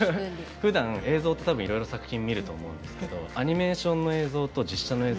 ふだん映像って多分いろいろ作品見ると思うんですけどアニメーションの映像と実写の映像